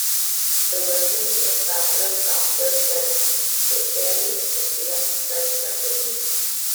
The weapon was patterned after Sten, retaining its left-side magazine.